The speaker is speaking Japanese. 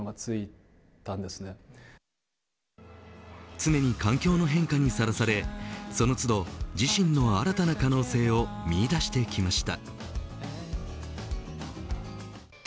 常に環境の変化にさらされその都度、自身の新たな可能性を見いだしてきました。